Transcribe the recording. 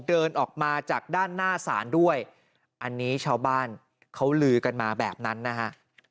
เดินออกมาจากด้านหน้าศาลด้วยอันนี้ชาวบ้านเขาลือกันมาแบบนั้นนะฮะ